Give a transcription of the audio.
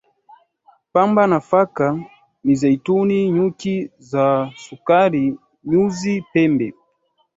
pamba nafaka mizeituni nyuki za sukari nyuzi pembe